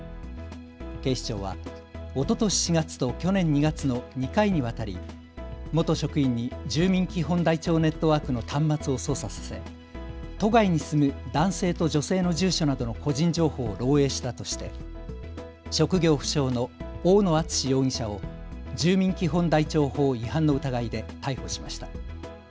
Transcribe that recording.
警視庁は、おととし４月と去年２月の２回にわたり元職員に住民基本台帳ネットワークの端末を操作させ都外に住む男性と女性の住所などの個人情報を漏えいしたとして職業不詳の大野淳志容疑者を住民基本台帳法違反の疑いで逮捕しました。